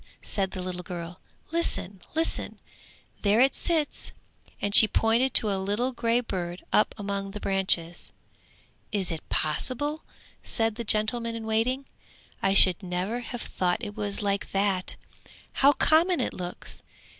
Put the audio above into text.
said the little girl. 'Listen, listen, there it sits!' and she pointed to a little grey bird up among the branches. 'Is it possible?' said the gentleman in waiting. 'I should never have thought it was like that. How common it looks!